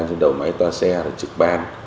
trên đầu máy toa xe trực ban